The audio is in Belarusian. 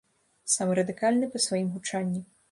Самы радыкальны па сваім гучанні.